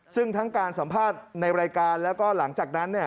ซึ่งทั้งการสัมภาษณ์ในรายการแล้วก็หลังจากนั้น